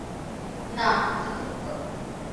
না, তুই চুপ কর।